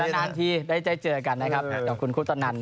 แต่ละนานที่ได้เจอกันนะครับขอบคุณครูตอนนั้น